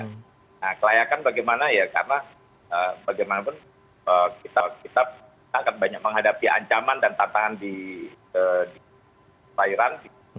nah kelayakan bagaimana ya karena bagaimanapun kita akan banyak menghadapi ancaman dan tantangan di perairan